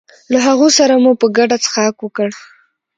له هغو سره مو په ګډه څښاک وکړ.